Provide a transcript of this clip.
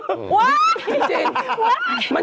อี้จริง